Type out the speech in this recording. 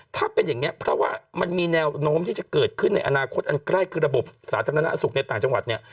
ถ้าเป็นอย่างนี้เพราะว่ามันมีแนวโน้มที่จะเกิดขึ้นในอนาคตอันใกล้คือระบบสาธารณสุขในต่างจังหวัดเนี่ย